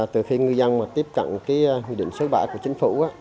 từ khi người dân tiếp cận hình định sớm bãi của chính phủ